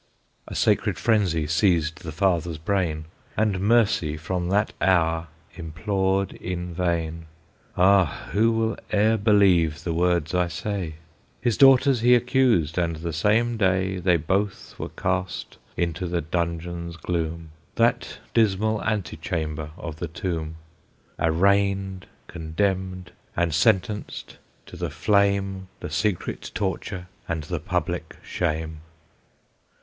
A sacred frenzy seized the father's brain, And Mercy from that hour implored in vain. Ah! who will e'er believe the words I say? His daughters he accused, and the same day They both were cast into the dungeon's gloom, That dismal antechamber of the tomb, Arraigned, condemned, and sentenced to the flame, The secret torture and the public shame.